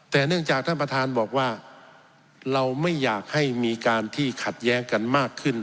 แต่เนื่องจากท่านประธานบอกว่าเราไม่อยากให้มีการที่ขัดแย้งกันมากขึ้น